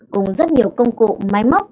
cùng rất nhiều công cụ máy móc